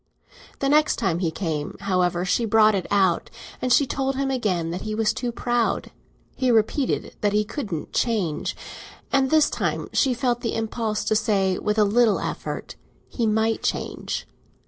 The next time he came, however, she brought it out, and she told him again that he was too proud. He repeated that he couldn't change, and this time she felt the impulse to say that with a little effort he might change.